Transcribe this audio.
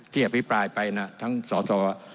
เทียบพิปรายไปนะทั้งสอสอ